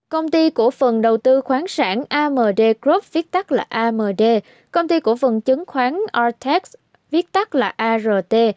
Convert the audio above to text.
công ty của phần đầu tư khoáng sản amd group viết tắt là amd công ty của phần chứng khoán artex viết tắt là art